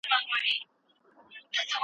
هوا باید ورته داخله نه شي.